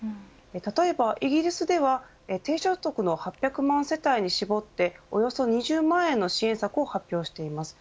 例えばイギリスでは低所得の８００万世帯に絞っておよそ２０万円の支援策を発表しています。